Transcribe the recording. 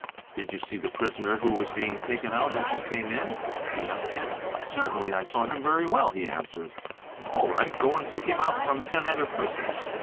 '' Did you see the prisoner who was being taken out as you came in?" you ask him. Certainly I saw him very well,' he answers. ''All right, go and pick him out from ten other persons."